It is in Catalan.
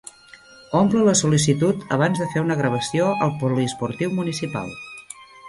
Omple la sol·licitud abans de fer una gravació al poliesportiu municipal